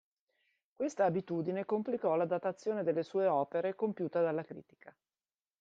Questa abitudine complicò la datazione delle sue opere compiuta dalla critica.